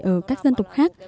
ở các dân tộc khác